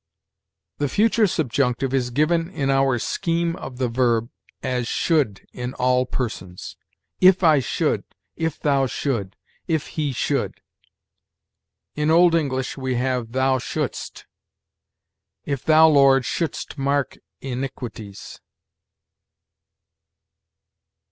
"The Future Subjunctive is given in our scheme of the verb as 'should' in all persons: 'If I should, if thou should, if he should.' In old English, we have 'thou shouldst': 'if thou, Lord, shouldst mark iniquities.'